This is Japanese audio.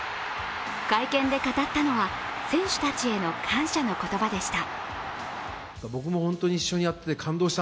会見で語ったのは、選手たちへの感謝の言葉でした。